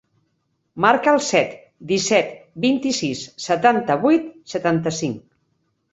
Marca el set, disset, vint-i-sis, setanta-vuit, setanta-cinc.